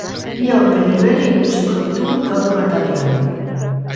Bi aurpegi berri ikusiko ditugu gaurko atalean.